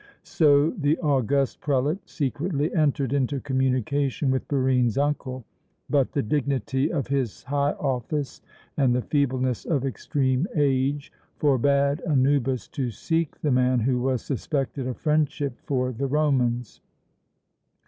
So the august prelate secretly entered into communication with Barine's uncle. But the dignity of his high office, and the feebleness of extreme age, forbade Anubis to seek the man who was suspected of friendship for the Romans.